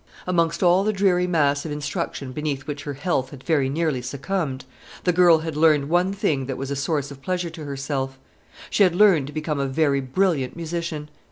Amongst all the dreary mass of instruction beneath which her health had very nearly succumbed, the girl had learned one thing that was a source of pleasure to herself; she had learned to become a very brilliant musician.